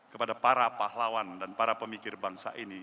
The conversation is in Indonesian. kepada para pahlawan dan para pemikir bangsa ini